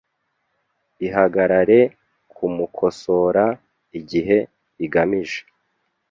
ihagarare kumukosora igihe agamije. ”